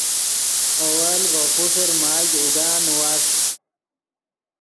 اول ڤے پوسر ماگ اوگا نیواݰ